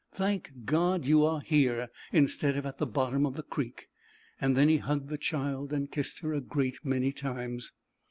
" Thank God, you are here instead of at the bottom of the creek." Then he hugged the child and kissed her a great many times.